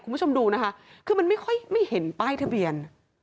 คุณผู้ชมดูนะคะคือมันไม่ค่อยไม่เห็นป้ายทะเบียน